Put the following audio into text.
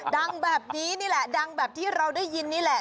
ดังแบบนี้นี่แหละดังแบบที่เราได้ยินนี่แหละ